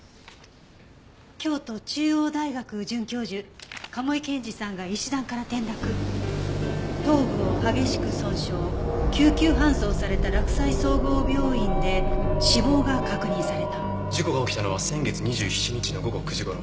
「京都中央大学准教授賀茂井健治さんが石段から転落」「頭部を激しく損傷」「救急搬送された洛西総合病院で死亡が確認された」事故が起きたのは先月２７日の午後９時頃。